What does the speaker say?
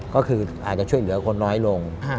ก็คืออาจจะช่วยเหลือคนน้อยลง